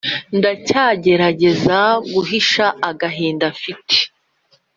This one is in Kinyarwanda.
Ndacyagerageza guhisha agahinda mfite